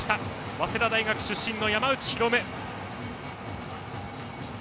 早稲田大学出身、山内大夢。